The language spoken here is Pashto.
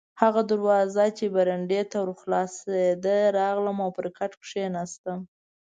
هغه دروازه چې برنډې ته ور خلاصېده، راغلم او پر کټ کښېناستم.